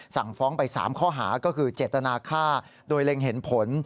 สั่งฟ้องไป๓ข้อหาก็คือเจตนาฆ่าโดยเล็งเห็นผล